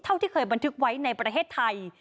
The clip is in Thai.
เท่าที่เคยบันทึกไว้ในประเทศไทย